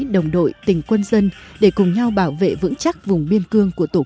đồng đội tình quân dân để cùng nhau bảo vệ vững chắc vùng biên cương của tổ quốc